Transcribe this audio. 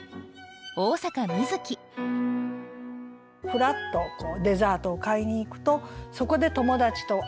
ふらっとデザートを買いに行くとそこで友達と会う。